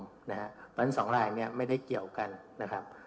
เพราะฉะนั้น๒ลายเนี่ยไม่ได้เกี่ยวกันนะครับ